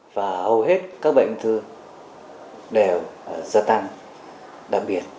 và hầu hết các bệnh ung thư đều gia tăng đặc biệt